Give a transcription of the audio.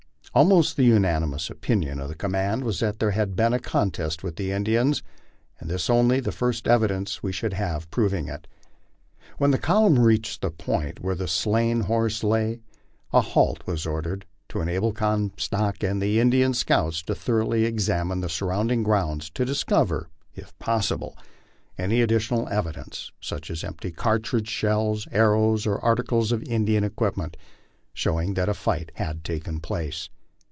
Almost the unanimous opinion of the command was that there had been a contest wi h Indians, and this only the first evidence we should have proving it. When the column reached the point where the slain horse lay, a halt was ordered, to enable Comstock and the Indian scouts to thoroughly examine the surrounding ground to discover, if possible, any additional evidence, such as empty cartridge shells, arrows, or articles of Indian equipment, showing that a fight had taken place.